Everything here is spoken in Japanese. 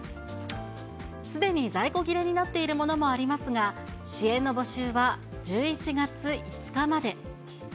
すでに在庫切れになっているものもありますが、支援の募集は１１月５日まで。